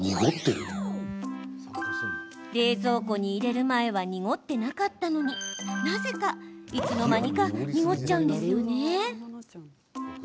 冷蔵庫に入れる前は濁ってなかったのになぜか、いつの間にか濁っちゃうんですよね。